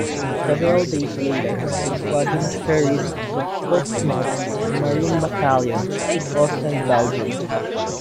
Several days later, the squadron ferried the Portsmouth Marine Battalion to Ostend, Belgium.